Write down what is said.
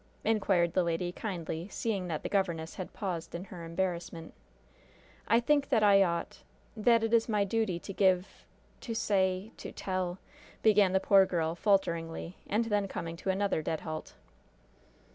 inquired the lady, kindly, seeing that the governess had paused in her embarrassment. "I think I ought that it is my duty to give to say to tell " began the poor girl, falteringly, and then coming to another dead halt.